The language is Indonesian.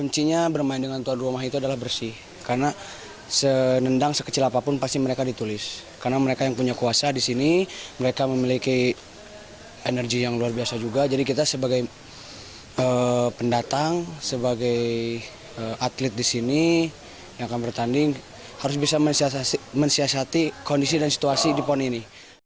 sebagai pendatang sebagai atlet di sini yang akan bertanding harus bisa mensiasati kondisi dan situasi di pon ini